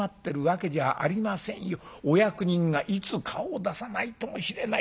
お役人がいつ顔を出さないともしれない。